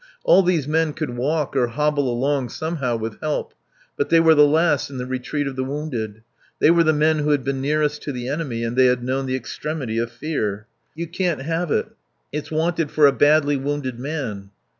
All these men could walk or hobble along somehow with help. But they were the last in the retreat of the wounded; they were the men who had been nearest to the enemy, and they had known the extremity of fear. "You can't have it. It's wanted for a badly wounded man."